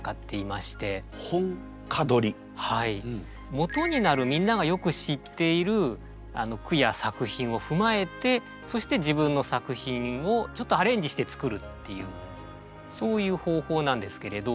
元になるみんながよく知っている句や作品を踏まえてそして自分の作品をちょっとアレンジして作るっていうそういう方法なんですけれど。